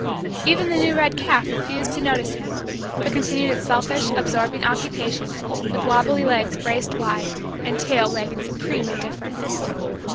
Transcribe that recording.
Even the new red calf refused to notice him but continued its selfish, absorbing, occupation with wobbly legs braced wide and tail wagging supreme indifference.